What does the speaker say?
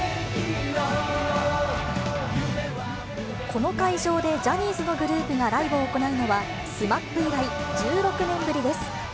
この会場でジャニーズのグループがライブを行うのは、ＳＭＡＰ以来、１６年ぶりです。